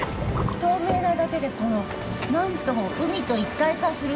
透明なだけで、何とも海と一体化する。